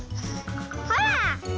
ほら！